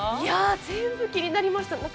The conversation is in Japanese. ◆全部、気になりました。